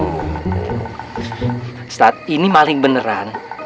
ustaz ini maling beneran